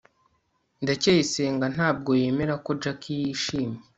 ndacyayisenga ntabwo yemera ko jaki yishimye